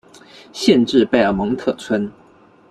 县治贝尔蒙特村。